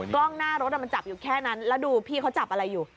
กล้องหน้ารถมันจับอยู่แค่นั้นแล้วดูพี่เขาจับอะไรอยู่